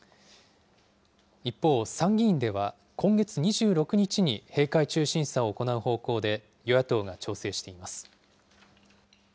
一方、参議院では、今月２６日に閉会中審査を行う方向で、与野党が調整しています。